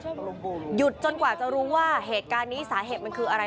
หยุดจนกว่าจะรู้ว่าเหตุการณ์นี้สาเหตุมันคืออะไร